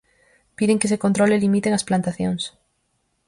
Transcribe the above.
Piden que se controle e limiten as plantacións.